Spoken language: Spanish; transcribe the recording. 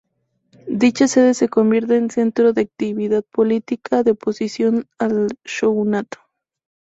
Dicha sede se convierte en centro de actividad política de oposición al shogunato.